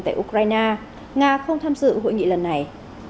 tại ukraine nga không tham dự hội nghị lần này